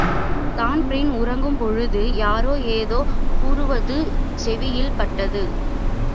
Dan Breen உறங்கும் பொழுது யாரோ ஏதோ கூறுவது செவியில் பட்டது.